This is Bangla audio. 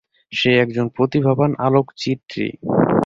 সে একজন প্রতিভাবান আলোকচিত্রী।